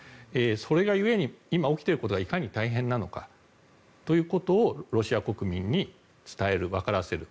それが故に今起きていることがいかに大変なのかということをロシア国民に伝える、わからせる。